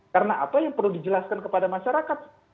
karena apa yang perlu dijelaskan kepada masyarakat